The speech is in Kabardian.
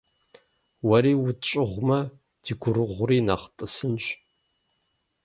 Уэри утщӀыгъумэ, ди гурыгъури нэхъ тӀысынщ.